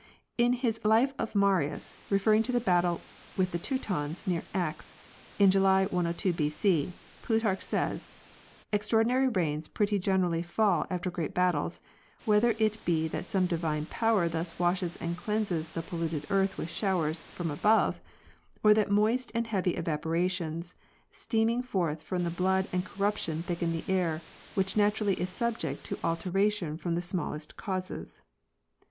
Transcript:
In his life of Marius, referring to the battle with the Teutons near Aix, in July, 102 B. C., Plutarch says: " Extra ordinary rains pretty generally fall after great battles; whether it be that some divine power thus washes and cleanses the pol luted earth with showers from above, or that moist and heavy evaporations steaming forth from the blood and corruption thicken the air, which naturally is subject to alteration from the smallest causes."